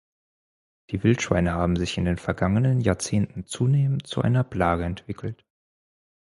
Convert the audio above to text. Die Wildschweine haben sich in den vergangenen Jahrzehnten zunehmend zu einer Plage entwickelt.